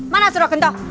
mana suruh kentok